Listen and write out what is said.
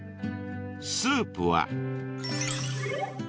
［スープは］